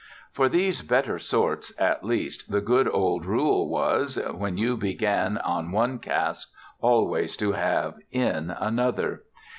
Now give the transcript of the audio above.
For these better sorts at least the good old rule was, when you began on one cask always to have in another.